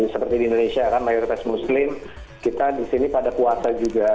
seperti di indonesia kan mayoritas muslim kita di sini pada puasa juga